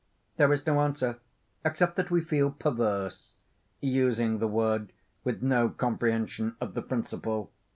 There is no answer, except that we feel perverse, using the word with no comprehension of the principle.